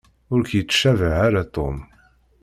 Ur k-yettcabah ara Tom.